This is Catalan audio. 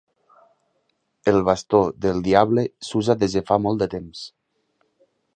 El bastó del diable s'usa des de fa molt de temps.